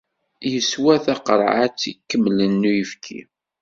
Yeswa taqerɛet ikemlen n uyefki.